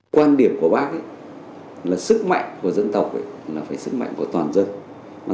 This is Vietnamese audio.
quan điểm của bác là sức mạnh của dân tộc là phải sức mạnh của toàn dân